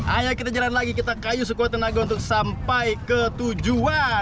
ayo kita jalan lagi kita kayu sekuat tenaga untuk sampai ke tujuan